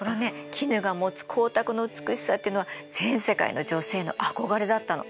絹が持つ光沢の美しさっていうのは全世界の女性の憧れだったの。